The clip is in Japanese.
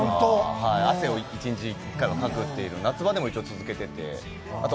汗を一日に１回はかくというのを夏場でも一応続けてて。